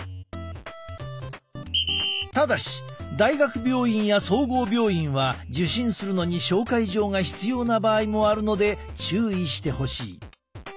ただし大学病院や総合病院は受診するのに紹介状が必要な場合もあるので注意してほしい。